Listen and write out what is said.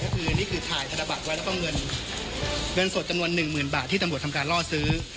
ก็คือนี่คือถ่ายศาบัติไว้แล้วก็เงินสดจำนวน๑๐๐๐๐บาทที่ตำรวจทำการรอซื้อ